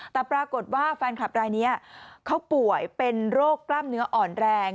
แต่ปรากฏว่าแฟนคลับรายนี้เขาป่วยเป็นโรคกล้ามเนื้ออ่อนแรง